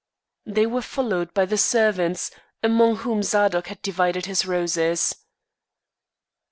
They were followed by the servants, among whom Zadok had divided his roses.